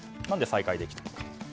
何で再開できたのか。